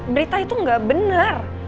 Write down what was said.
berita itu gak bener